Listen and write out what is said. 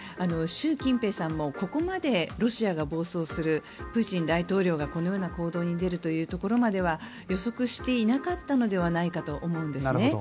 習近平さんもここまでロシアが暴走するプーチン大統領がこのような行動に出るというところまでは予測していなかったのではないかと思うんです。